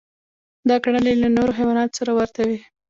دا کړنې له نورو حیواناتو سره ورته وې.